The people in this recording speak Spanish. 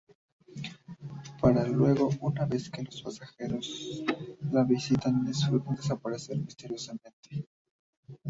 Para luego, una vez que los pasajeros la visitan y disfrutan, desaparecer misteriosamente.